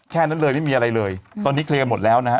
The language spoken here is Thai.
แค่นั้นเลยไม่มีอะไรเลยตอนนี้เคลียร์หมดแล้วนะฮะ